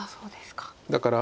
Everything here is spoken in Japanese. だから。